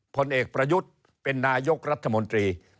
ผลเอกประยุทธ์เป็นนายกรัฐมนตรี